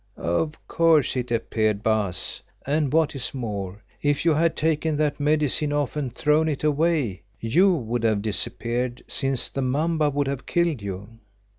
"Of course it appeared, Baas, and what is more, if you had taken that Medicine off and thrown it away you would have disappeared, since the 'mamba would have killed you.